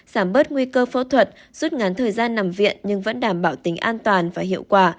giảm bớt nguy cơ phẫu thuật rút ngắn thời gian nằm viện nhưng vẫn đảm bảo tính an toàn và hiệu quả